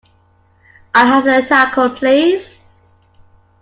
I'll have a Taco, please.